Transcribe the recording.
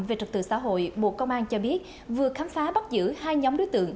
về trật tự xã hội bộ công an cho biết vừa khám phá bắt giữ hai nhóm đối tượng